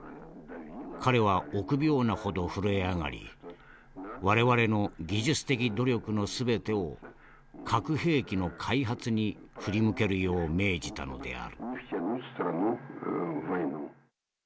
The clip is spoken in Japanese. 彼は臆病なほど震え上がり我々の技術的努力の全てを核兵器の開発に振り向けるよう命じたのである」。